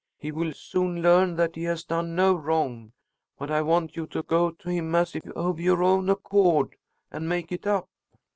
He will soon learn that he has done no wrong; but I want you to go to him as if of your own accord, and make it up."